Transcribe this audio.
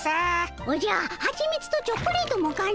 おじゃはちみつとチョコレートもかの！